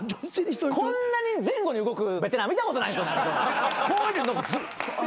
こんなに前後に動くベテラン見たことない。